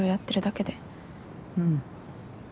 うん。